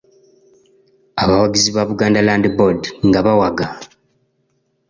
Abawagizi ba Buganda Land Board nga bawaga.